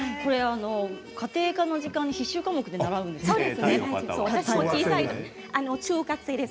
家庭科の時間必修科目で習うそうです。